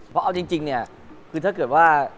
เพราะเอาจริงทำจริงถ้าเกิดว่า